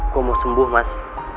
gue mau sembuh mas